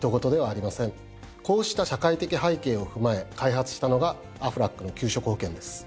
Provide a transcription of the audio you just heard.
こうした社会的背景を踏まえ開発したのが「アフラックの休職保険」です。